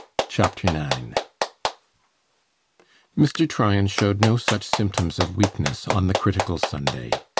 Chapter 9 Mr. Tryan showed no such symptoms of weakness on the critical Sunday.